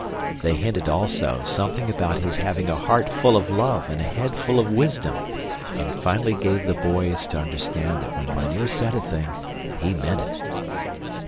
They hinted also something about his having a hearty full of love and a head full of wisdom and finally gave the boys to understand that when mynheer said a thing, he meant it.